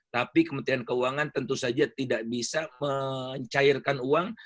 tapi kementerian keuangan tentu saja tidak bisa mencairkan uang